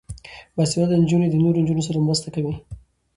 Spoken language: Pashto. باسواده نجونې د نورو نجونو سره مرسته کوي.